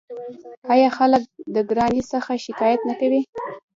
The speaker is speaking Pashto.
آیا خلک د ګرانۍ څخه شکایت نه کوي؟